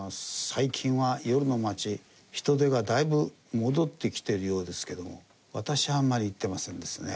最近は夜の街人出がだいぶ戻ってきてるようですけども私はあんまり行ってませんですね。